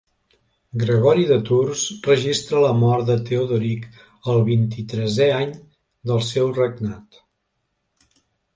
Gregori de Tours registra la mort de Teodoric el vint-i-tresè any del seu regnat.